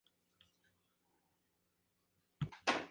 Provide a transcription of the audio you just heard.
El roce hace el cariño